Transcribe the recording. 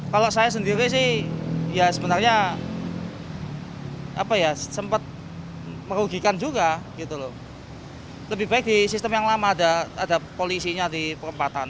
kalau saya sendiri sih ya sebenarnya sempat merugikan juga gitu loh lebih baik di sistem yang lama ada polisinya di perempatan